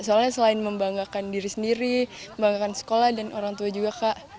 soalnya selain membanggakan diri sendiri membanggakan sekolah dan orang tua juga kak